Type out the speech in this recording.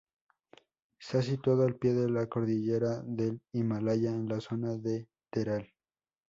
Está situado al pie de la cordillera del Himalaya, en la zona de Terai.